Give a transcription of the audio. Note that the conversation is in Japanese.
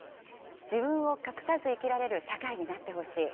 自分を隠さず生きられる社会になってほしい。